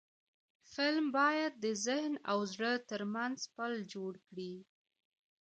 فلم باید د ذهن او زړه ترمنځ پل جوړ کړي